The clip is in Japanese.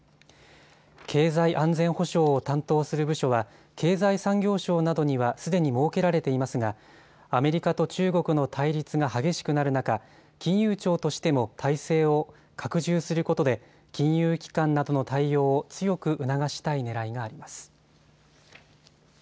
経済安全保障を担当する部署は、経済産業省などにはすでに設けられていますがアメリカと中国の対立が激しくなる中、金融庁としても態勢を拡充することで金融機関などの対応を強く促したいねらいがあります。